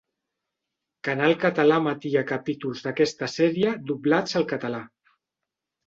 Canal Català emetia capítols d'aquesta sèrie doblats al català.